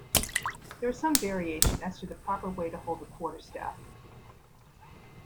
There is some variation as to the proper way to hold a quarterstaff.